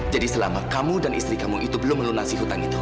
jadi selama kamu dan istri kamu itu belum melunasi hutang itu